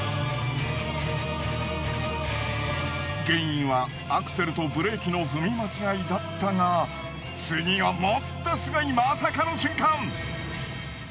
原因はアクセルとブレーキの踏み間違いだったが次はもっとすごいまさかの瞬間。